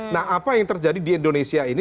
nah apa yang terjadi di indonesia ini